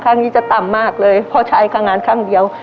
ข้างนี้จะต่ำมากเลยเพราะใช้ข้างนั้นข้างเดียว